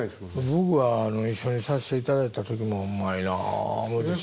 僕は一緒にさせていただいた時もうまいなあ思うて。